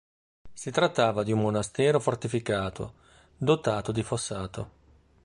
Si trattava di un monastero fortificato, dotato di fossato.